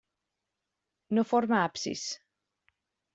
No forma absis.